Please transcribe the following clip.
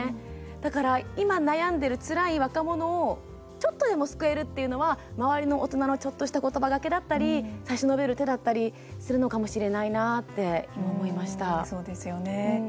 だから今、悩んでるつらい若者をちょっとでも救えるっていうのは周りの大人のちょっとしたことばがけだったり差し伸べる手だったりするのかもしれないなってそうですよね。